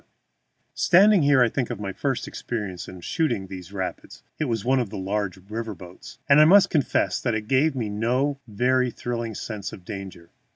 ] Standing here, I think of my first experience in shooting these rapids (it was on one of the large river boats), and I must confess that it gave me no very thrilling sense of danger.